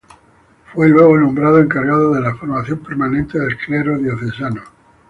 Fue luego nombrado encargado de la formación permanente del clero diocesano.